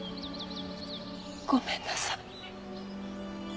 ごめんなさい。